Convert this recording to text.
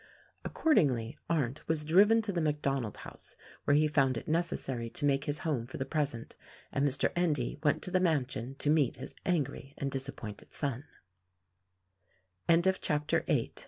Accordingly, Arndt was driven to the MacDonald house, where he found it necessary to make his home for the present, and Mr. Endy went to the mansion to meet his angry and disappointed so